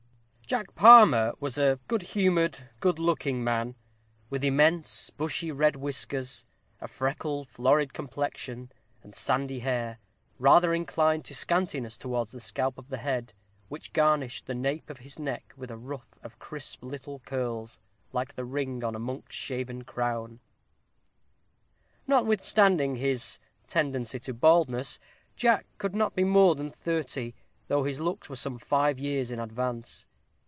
_ Jack Palmer was a good humored, good looking man, with immense bushy, red whiskers, a freckled, florid complexion, and sandy hair, rather inclined to scantiness towards the scalp of the head, which garnished the nape of his neck with a ruff of crisp little curls, like the ring on a monk's shaven crown. Notwithstanding this tendency to baldness, Jack could not be more than thirty, though his looks were some five years in advance.